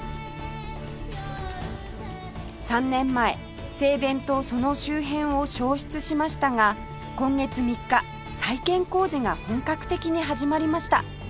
３年前正殿とその周辺を焼失しましたが今月３日再建工事が本格的に始まりました